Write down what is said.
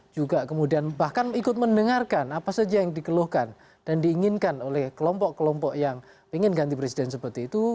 juga kemudian bahkan ikut mendengarkan apa saja yang dikeluhkan dan diinginkan oleh kelompok kelompok yang ingin ganti presiden seperti itu